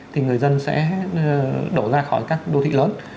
thì người dân sẽ đổ ra khỏi các đô thị lớn